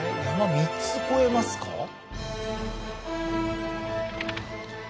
山３つ越えますか？